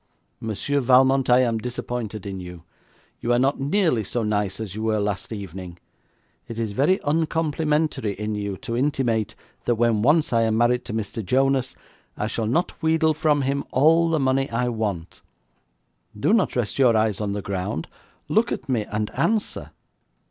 'Monsieur Valmont, I am disappointed in you. You are not nearly so nice as you were last evening. It is very uncomplimentary in you to intimate that when once I am married to Mr. Jonas I shall not wheedle from him all the money I want. Do not rest your eyes on the ground; look at me and answer!'